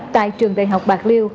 tại trường đại học bạc liêu